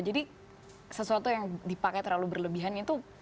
jadi sesuatu yang dipakai terlalu berlebihan itu